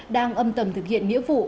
đang âm tầm thực hiện nghĩa vụ